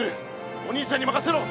お兄ちゃんにまかせろ！